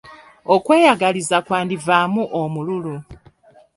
Okweyagaliza kwandivaamu omululu.